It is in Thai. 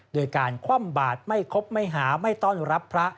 โดยการคว่ำบาดไม่คบไม่หาไม่ต้อนรับพระ